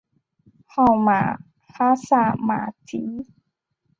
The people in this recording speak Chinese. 号玛哈萨嘛谛。